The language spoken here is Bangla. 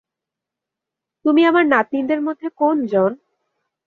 তুমি আমার নাতনিদের মধ্যে কোনজন?